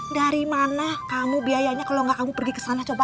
dari mana kamu biayanya kalau nggak kamu pergi ke sana coba